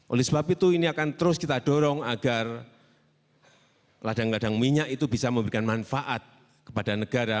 oleh sebab itu ini akan terus kita dorong agar ladang ladang minyak itu bisa memberikan manfaat kepada negara